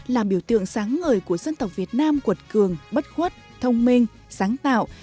là biểu tượng sáng ngời của dân tộc việt nam quật cường bất khuất thông minh sáng tạo